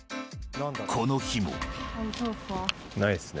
この日も。